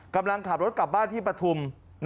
กำลังขับรถกลับบ้านที่ปฐุม